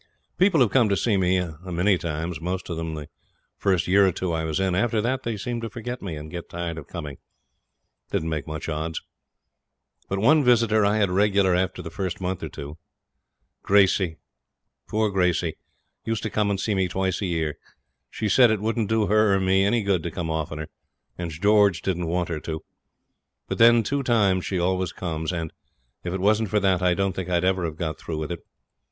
People have come to see me a many times, most of them the first year or two I was in. After that they seemed to forget me, and get tired of coming. It didn't make much odds. But one visitor I had regular after the first month or two. Gracey, poor Gracey, used to come and see me twice a year. She said it wouldn't do her or me any good to come oftener, and George didn't want her to. But them two times she always comes, and, if it wasn't for that, I don't think I'd ever have got through with it.